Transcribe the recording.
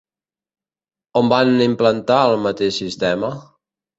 On van implantar el mateix sistema?